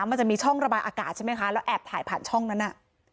มันจะมีช่องระบายอากาศใช่ไหมคะแล้วแอบถ่ายผ่านช่องนั้นน่ะ